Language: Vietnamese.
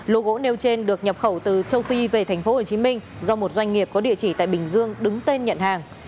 lô gỗ nêu trên được nhập khẩu từ châu phi về tp hcm do một doanh nghiệp có địa chỉ tại bình dương đứng tên nhận hàng